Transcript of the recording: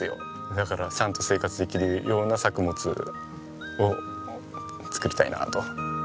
だからちゃんと生活できるような作物を作りたいなと。